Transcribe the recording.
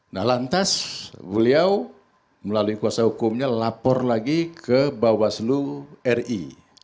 nah lantas beliau melalui kuasa hukumnya lapor lagi ke bawaslu ri